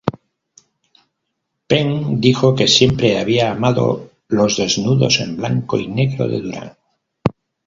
Penn dijo que "siempre había amado los desnudos en blanco y negro de Duran".